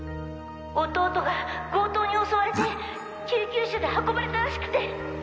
弟が強盗に襲われて救急車で運ばれたらしくて。